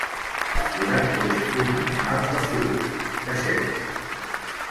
La fura és un animal que furga, que cerca.